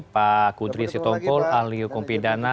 pak kudri sitompul ahli hukum pidana